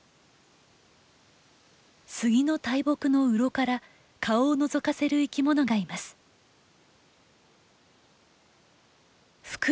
スギの大木の洞から顔をのぞかせる生き物がいます。